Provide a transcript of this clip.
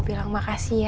terima kasih ya